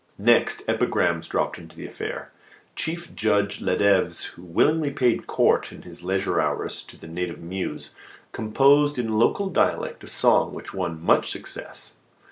Next, epigrams dropped into the affair. Chief Judge Ladevese, who willingly paid court in his leisure hours to the native Muse, composed in local dialect a song which won much success.